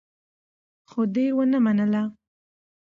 خو دې ونه منله.